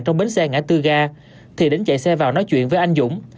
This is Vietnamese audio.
trong bến xe ngã tư ga thì đến chạy xe vào nói chuyện với anh dũng